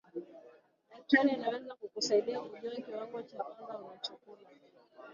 dakitari anaweza kukusaidia kujua kiwango cha wanga unachokula